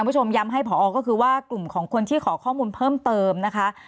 คุณผู้ชมย้ำให้ผอก็คือว่ากลุ่มของคนที่ขอข้อมูลเพิ่มเติมนะคะ